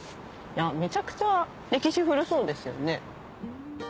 めちゃくちゃ歴史古そうですよね。